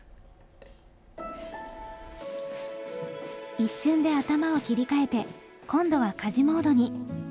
一瞬で頭を切り替えて今度は家事モードに。